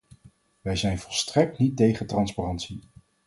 Wij zijn volstrekt niet tegen transparantie.